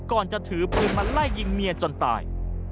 ก่อนจะถือปืนมาไล่ยิงเมียจนตาย